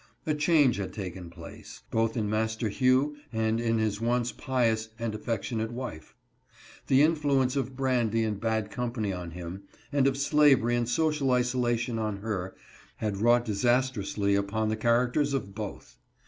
A change had taken place, both in Master Hugh and in his once pious and affectionate wife. The influence of brandy and bad company on him, and of slavery and social isolation on her, had wrought disastrously upon the characters of both.